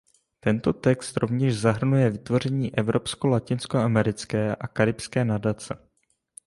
Tento text rovněž zahrnuje vytvoření evropsko-latinskoamerické a karibské nadace.